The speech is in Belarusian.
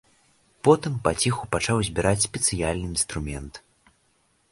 Потым паціху пачаў збіраць спецыяльны інструмент.